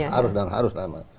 harus dan harus